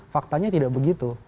faktanya tidak begitu